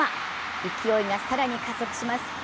勢いが更に加速します。